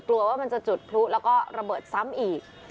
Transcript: กลัวว่ามันจะจุดพลุแล้วก็ระเบิดซ้ำอีก